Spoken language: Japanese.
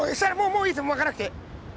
もういいですよ巻かなくて！